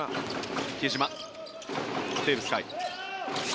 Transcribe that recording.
比江島、テーブス海。